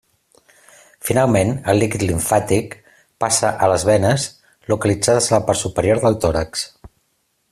Finalment, el líquid limfàtic passa a les venes localitzades a la part superior del tòrax.